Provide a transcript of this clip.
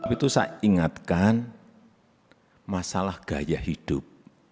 itu saya ingatkan masalah gaya hidup